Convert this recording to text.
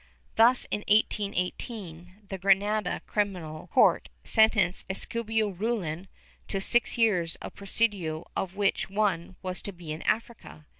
Thus, in 1818, the Granada criminal court sentenced Eusebio Reulin to six years of presidio of which one was to be in Africa.